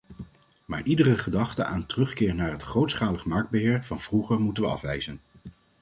Maar iedere gedachte aan terugkeer naar het grootschalig marktbeheer van vroeger moeten we afwijzen.